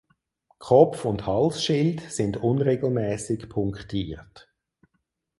Kopf und Halsschild sind unregelmäßig punktiert.